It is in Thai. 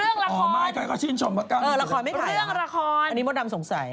เอ้าเรื่องละครเรื่องละครอันนี้มดดำสงสัย